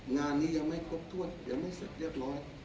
งานนี้ยังไม่ครบถ้วนยังไม่เสร็จเรียบร้อย